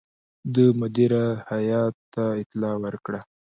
ده مدیره هیات ته اطلاع ورکړه.